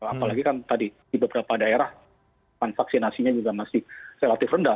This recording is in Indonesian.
apalagi kan tadi di beberapa daerah vaksinasinya juga masih relatif rendah